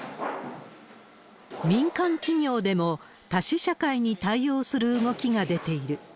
民間企業でも、多死社会に対応する動きが出ている。